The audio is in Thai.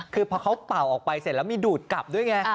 พอเขาเปาเอาออกไปเสร็จแล้วมีดูดกลับ